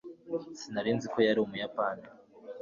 sinari nzi ko yari umuyapani